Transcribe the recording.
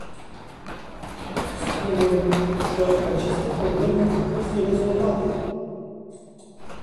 Spunem că aceste probleme pot fi rezolvate.